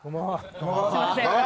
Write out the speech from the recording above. すみません。